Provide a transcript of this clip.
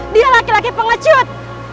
dia laki laki pengecut